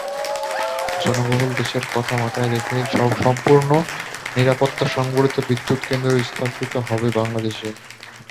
জনবহুল দেশের কথা মাথায় রেখেই সম্পূর্ণ নিরাপত্তা সংবলিত বিদ্যুৎকেন্দ্র স্থাপিত হবে বাংলাদেশে।